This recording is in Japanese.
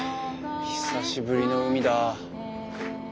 久しぶりの海だ。